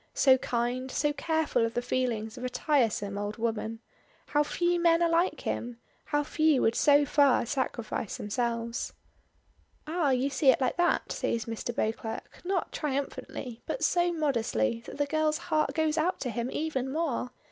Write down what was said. So kind, so careful of the feelings of a tiresome old woman. How few men are like him. How few would so far sacrifice themselves. "Ah, you see it like that!" says, Mr. Beauclerk, not triumphantly, but so modestly that the girl's heart goes out to him even more.